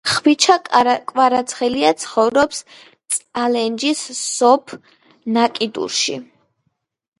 ხვიჩა კვარაცხელია ცხოვრობს წალენჯიხის სოფ. ნაკიფუში